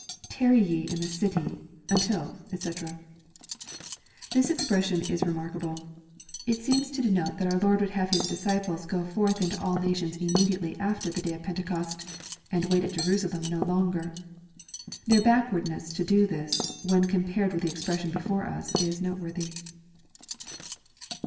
[Tarry ye in the city .., until^ doc] This expression is remark able. It seems to denote that our Lord would have His d''s( iples fi24 EXPOSITOBT THOUaflTS. go forth into all nations immediately after the day of Pentecost and wait at Jerusalem no longer. Their backwarchies^ to do this, when compa?ed with the expression before us, is noteworthy.